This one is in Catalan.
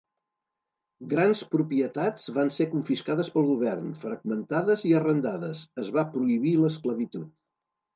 Grans propietats van ser confiscades pel govern, fragmentades i arrendades; es va prohibir l'esclavitud.